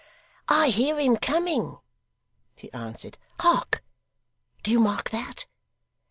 'I hear him coming,' he answered: 'Hark! Do you mark that?